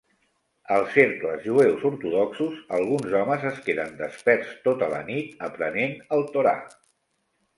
Als cercles jueus ortodoxos, alguns homes es queden desperts tota la nit aprenent el Torà.